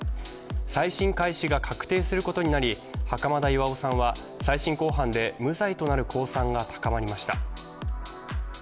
再審開始が確定することになり袴田巌さんは再審公判で無罪となる公算が高まりました。